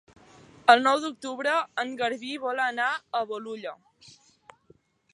El nou d'octubre en Garbí vol anar a Bolulla.